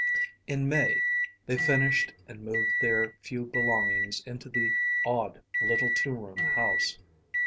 In May, they finished and moved their few belongings into the odd little two room house.